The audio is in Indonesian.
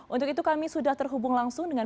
untuk itu kami sudah terhubung langsung dengan